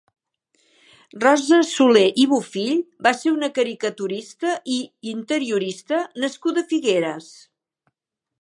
Rosa Soler i Bofill va ser una caricaturista i interiorista nascuda a Figueres.